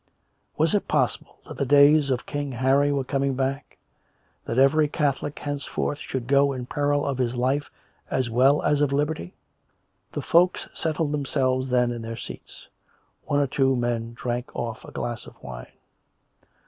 Was it pos sible that the days of King Harry were coming back; and that every Catholic henccfortli should go in peril of his life as well as of liberty? The folks settled themselves then in their seats; one or two men drank off a glass of wine.